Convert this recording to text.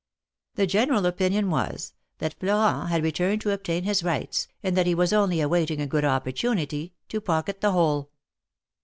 The general opinion was, that Florent had returned to obtain his rights, and that he was only awaiting a good opportunity to pocket the whole.